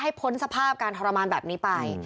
พ้นสภาพการทรมานแบบนี้ไป